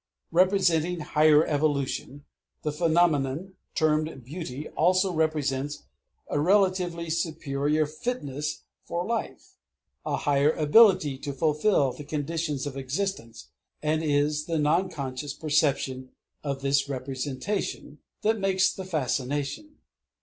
Representing higher evolution, the phenomenon termed beauty also represents a relatively superior fitness for life, a higher ability to fulfil the conditions of existence; and it is the non conscious perception of this representation that makes the fascination.